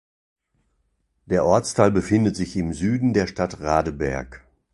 Der Ortsteil befindet sich im Süden der Stadt Radeberg.